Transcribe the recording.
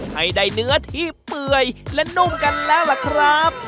ให้ได้เนื้อที่เปื่อยและนุ่มกันแล้วล่ะครับ